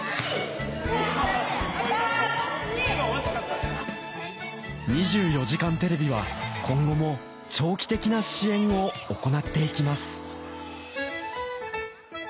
今惜しかった・『２４時間テレビ』は今後も長期的な支援を行っていきます